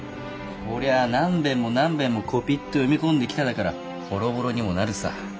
ほりゃあ何べんも何べんもこぴっと読み込んできただからボロボロにもなるさ。